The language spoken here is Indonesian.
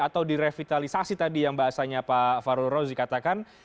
atau direvitalisasi tadi yang bahasanya pak farul rozi katakan